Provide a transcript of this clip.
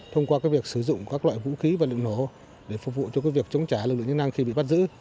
thông qua việc sử dụng các loại vũ khí và liệu nổ để phục vụ cho việc chống trả lực lượng nhân năng khi bị bắt giữ